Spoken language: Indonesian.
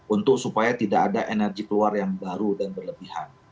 untuk supaya tidak ada energi keluar yang baru dan berlebihan